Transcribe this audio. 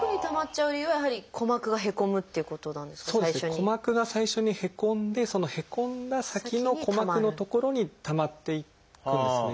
鼓膜が最初にへこんでそのへこんだ先の鼓膜の所にたまっていくんですね。